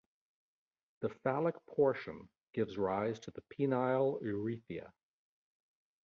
The phallic portion gives rise to the penile urethra.